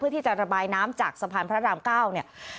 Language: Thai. ที่จะระบายน้ำจากสะพานพระราม๙เนี่ย